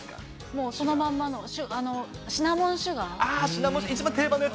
もうそのまんまのシナモンシああ、シナモンシュガー。